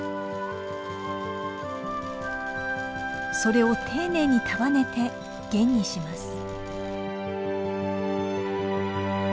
それを丁寧に束ねて弦にします。